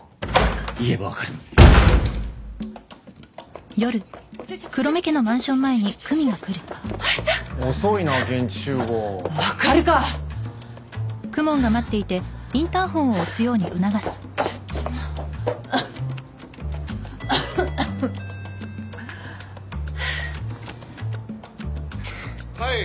言えばわかるちょちょちょちょあっいた遅いな現地集合わかるか「はい」